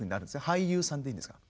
俳優さんでいいんですか？